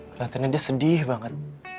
keliatannya dia sedih banget